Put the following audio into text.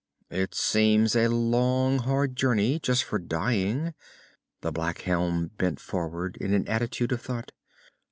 "It seems a long, hard journey, just for dying." The black helm bent forward, in an attitude of thought.